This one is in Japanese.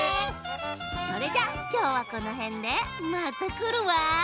それじゃきょうはこのへんでまたくるわ！